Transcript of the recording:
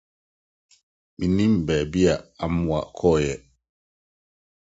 Minnim baabi a Aamoah kɔe.